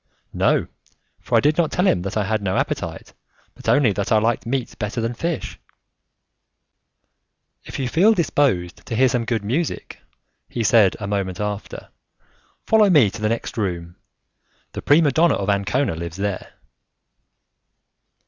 "No, for I did not tell him that I had no appetite, but only that I liked meat better than fish." "If you feel disposed to hear some good music," he said a moment after, "follow me to the next room; the prima donna of Ancona lives there."